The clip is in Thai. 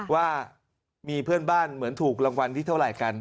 ว่ามีเพื่อนบ้านเหมือนถูกรางวัลที่เท่าไหร่กัน